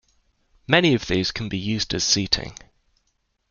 Many of these can be used as seating.